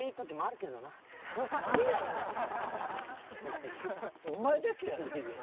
何やねんそれ。